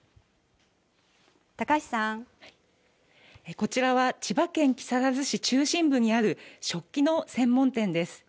こちらは千葉県木更津市中心部にある食器の専門店です。